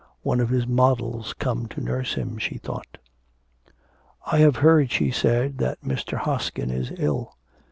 'One of his models come to nurse him,' she thought. 'I have heard,' she said, 'that Mr. Hoskin is ill.'